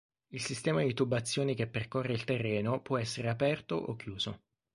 Il sistema di tubazioni che percorre il terreno può essere aperto o chiuso.